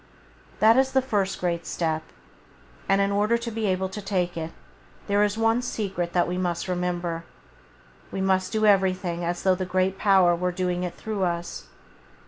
That is the first great step, and in order to be able to take it there is one secret that we must remember: we must do everything as though the Great Power were doing it through us.